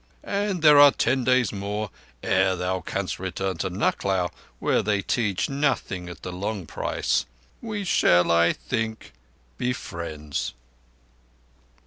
And there are ten days more ere thou canst return to Lucknao where they teach nothing—at the long price. We shall, I think, be friends."